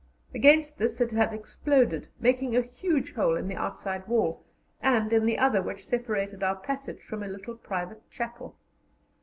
Against this it had exploded, making a huge hole in the outside wall and in the other which separated our passage from a little private chapel.